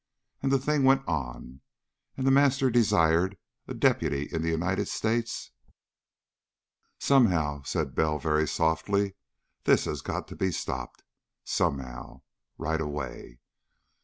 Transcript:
And the thing went on. And The Master desired a deputy in the United States.... "Somehow," said Bell very softly, "this has got to be stopped. Somehow. Right away.